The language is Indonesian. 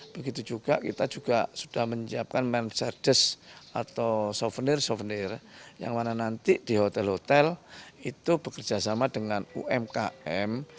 begitu juga kita sudah menyiapkan manchardes atau souvenir souvenir yang mana nanti di hotel hotel itu bekerjasama dengan umkm